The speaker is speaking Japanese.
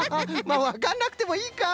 まあわかんなくてもいいか！